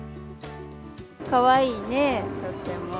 かわいいね、とっても。